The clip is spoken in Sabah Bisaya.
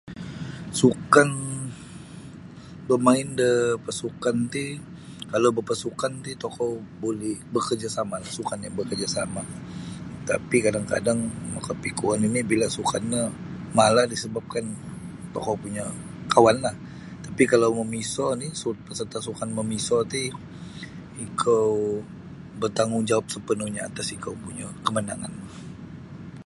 Sukan bamain de pasukan ti kalau bapasukan ti tokou buli bakarjasama' sukan yang bakarjasama' tapi kadang-kadang makapikuo nini' bila sukan no malah disebabkan tokou punyo kawanlah tapi' kalau mamiso oni' peserta' sukan mamiso ti ikou bartanggungjawab sepenuhnyo atas ikou punyo kemenangan.